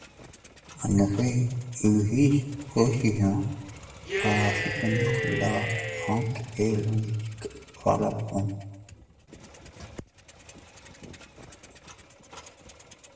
En effet, il vise précisément à soutenir la vente de la musique par albums.